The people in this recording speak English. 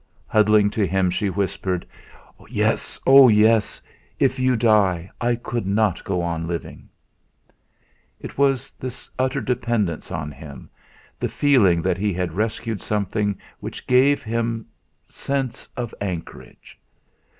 Huddling to him she whispered: "Yes, oh, yes! If you die, I could not go on living." It was this utter dependence on him, the feeling that he had rescued something, which gave him sense of anchorage.